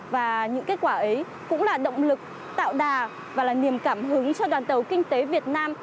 và những kết quả ấy cũng là động lực tạo đà và là niềm cảm hứng cho đoàn tàu kinh tế việt nam